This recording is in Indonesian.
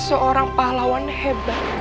seorang pahlawan hebat